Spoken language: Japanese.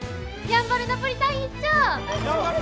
やんばるナポリタン頂戴！